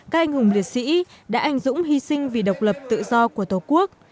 các anh hùng liệt sĩ đã anh dũng hy sinh vì độc lập tự do của tổ quốc